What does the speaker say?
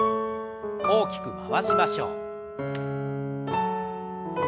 大きく回しましょう。